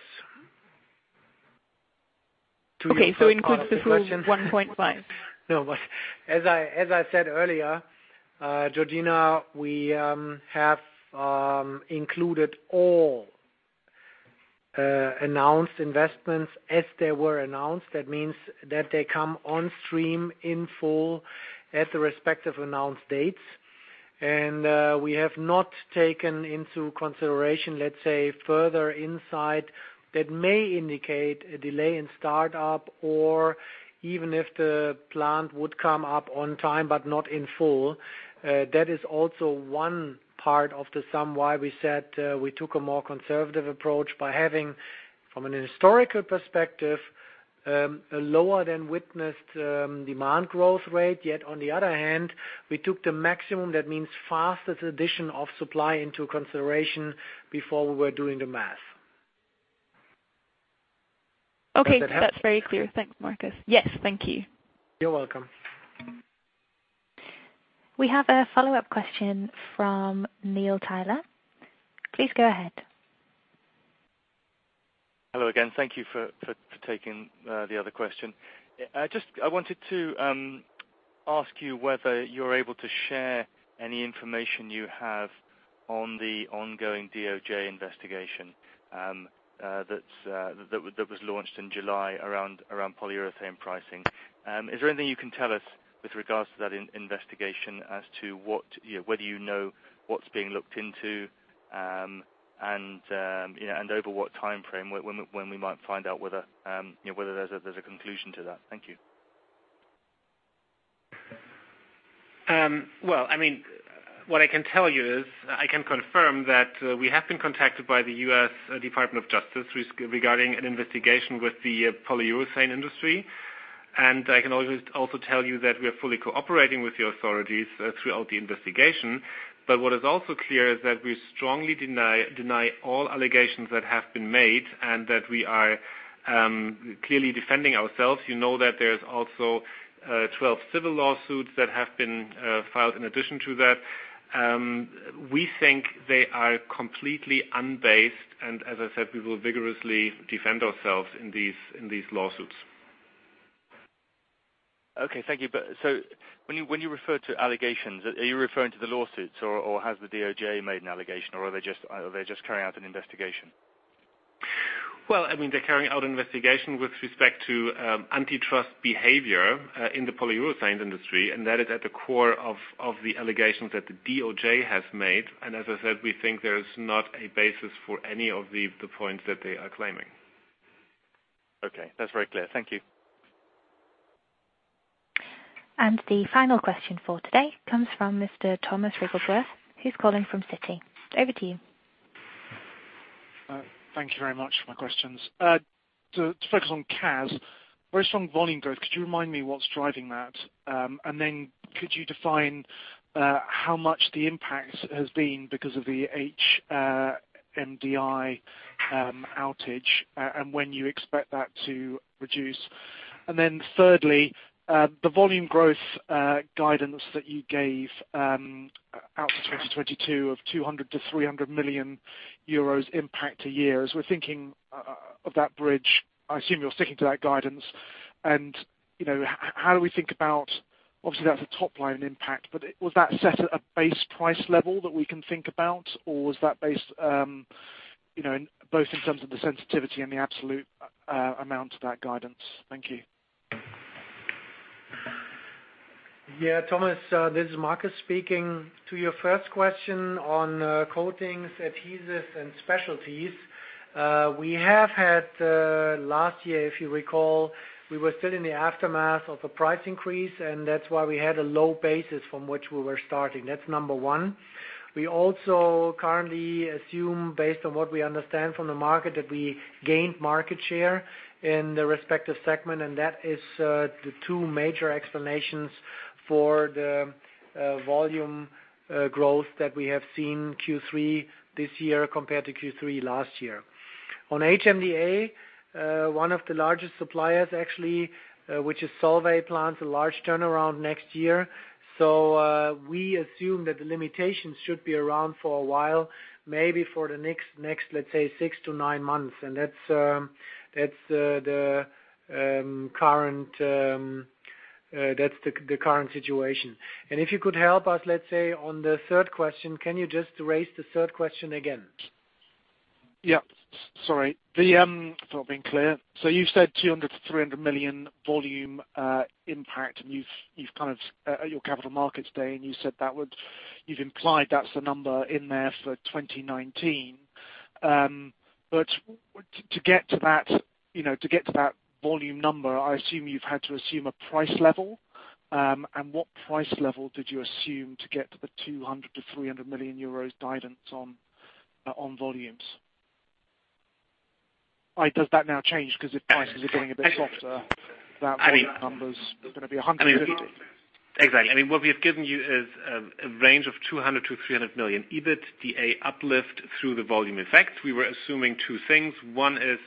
Okay. Includes the full 1.5. No, as I said earlier, Georgina, we have included all announced investments as they were announced. That means that they come on stream in full at the respective announced dates. We have not taken into consideration, let's say, further insight that may indicate a delay in startup or even if the plant would come up on time, but not in full. That is also one part of the sum why we said we took a more conservative approach by having, from a historical perspective, a lower than witnessed demand growth rate. On the other hand, we took the maximum, that means fastest addition of supply into consideration before we were doing the math. Okay. That's very clear. Thanks, Markus. Yes. Thank you. You're welcome. We have a follow-up question from Neil Tyler. Please go ahead. Hello again, thank you for taking the other question. I wanted to ask you whether you're able to share any information you have on the ongoing DOJ investigation that was launched in July around polyurethane pricing. Is there anything you can tell us with regards to that investigation as to whether you know what's being looked into, and over what timeframe, when we might find out whether there's a conclusion to that? Thank you. Well, what I can tell you is, I can confirm that we have been contacted by the U.S. Department of Justice regarding an investigation with the polyurethane industry. I can also tell you that we are fully cooperating with the authorities throughout the investigation. What is also clear is that we strongly deny all allegations that have been made and that we are clearly defending ourselves. You know that there's also 12 civil lawsuits that have been filed in addition to that. We think they are completely unbiased. As I said, we will vigorously defend ourselves in these lawsuits. Okay, thank you. So when you refer to allegations, are you referring to the lawsuits or has the DOJ made an allegation or are they just carrying out an investigation? Well, they're carrying out an investigation with respect to antitrust behavior in the polyurethane industry, and that is at the core of the allegations that the DOJ has made. As I said, we think there's not a basis for any of the points that they are claiming. Okay. That's very clear. Thank you. The final question for today comes from Mr. Tom Wrigglesworth, who's calling from Citi Over to you. Thank you very much for my questions. To focus on CAS, very strong volume growth. Could you remind me what's driving that? Could you define how much the impact has been because of the HMDI outage, and when you expect that to reduce? Thirdly, the volume growth guidance that you gave out for 2022 of 200 million to 300 million euros impact a year. We're thinking of that bridge, I assume you're sticking to that guidance and how do we think about, obviously, that's a top-line impact, but was that set at a base price level that we can think about or was that based both in terms of the sensitivity and the absolute amount of that guidance? Thank you. Yeah, Thomas, this is Markus speaking. To your first question on coatings, adhesives, and specialties. Last year if you recall, we were still in the aftermath of the price increase, and that's why we had a low basis from which we were starting. That's number one. We also currently assume, based on what we understand from the market, that we gained market share in the respective segment, that is the two major explanations for the volume growth that we have seen Q3 this year compared to Q3 last year. On HMDI, one of the largest suppliers actually, which is Solvay, plans a large turnaround next year. We assume that the limitations should be around for a while, maybe for the next, let's say, six to nine months. That's the current situation. If you could help us, let's say on the third question, can you just raise the third question again? Sorry. For not being clear. You said 200 million to 300 million volume impact. At your Capital Markets Day, you've implied that's the number in there for 2019. To get to that volume number, I assume you've had to assume a price level. What price level did you assume to get to the 200 million to 300 million euros guidance on volumes? Does that now change because if prices are getting a bit softer, that volume number's going to be 150? Exactly. What we have given you is a range of 200 million to 300 million EBITDA uplift through the volume effect. We were assuming two things. One is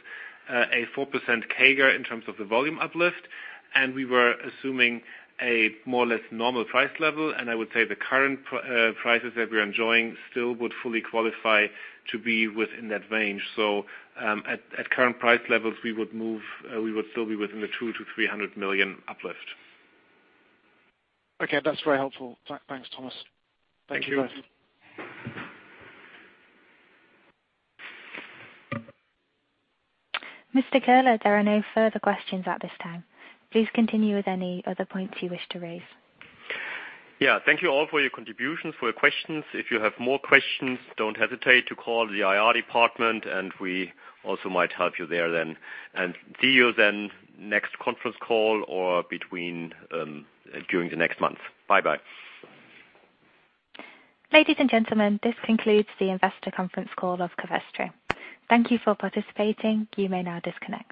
a 4% CAGR in terms of the volume uplift. We were assuming a more or less normal price level. I would say the current prices that we're enjoying still would fully qualify to be within that range. At current price levels, we would still be within the 200 million to 300 million uplift. That's very helpful. Thanks, Thomas. Thank you both. Thank you. Mr. Köhler, there are no further questions at this time. Please continue with any other points you wish to raise. Yeah. Thank you all for your contributions, for your questions. If you have more questions, don't hesitate to call the IR department, we also might help you there then. See you then next conference call or during the next month. Bye-bye. Ladies and gentlemen, this concludes the investor conference call of Covestro. Thank you for participating. You may now disconnect.